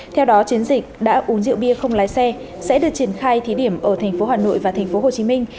theo đó chiến dịch đã uống rượu bia không lái xe sẽ được triển khai thí điểm ở tp hà nội và tp hồ chí minh